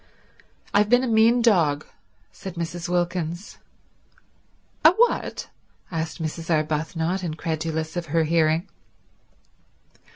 "I've been a mean dog," said Mrs. Wilkins. "A what?" asked Mrs. Arbuthnot, incredulous of her hearing.